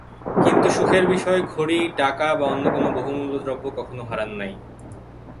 কিন্তু সুখের বিষয়, ঘড়ি টাকা বা অন্য কোনো বহুমূল্য দ্রব্য কখনো হারান নাই।